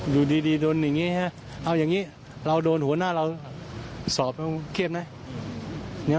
อยู่ดีโดนอย่างนี้ฮะเอาอย่างนี้เราโดนหัวหน้าเราสอบเราเครียดไหม